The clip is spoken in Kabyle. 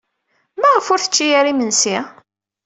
Maɣef ur tečči ara imensi?